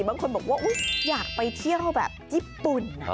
บางคนบอกว่าอยากไปเที่ยวแบบญี่ปุ่น